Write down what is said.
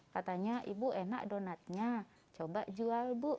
katanya ibu enak donatnya coba jual bu